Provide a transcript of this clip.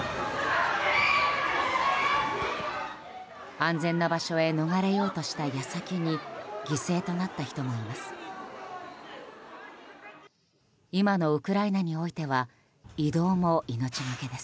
安全な場所へ逃れようとした矢先に犠牲となった人もいます。